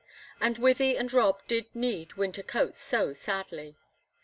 And Wythie and Rob did need winter coats so sadly!